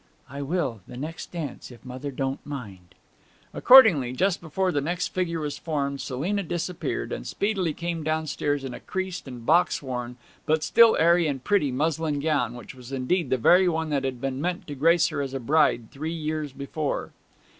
'I will the next dance, if mother don't mind.' Accordingly, just before the next figure was formed, Selina disappeared, and speedily came downstairs in a creased and box worn, but still airy and pretty, muslin gown, which was indeed the very one that had been meant to grace her as a bride three years before.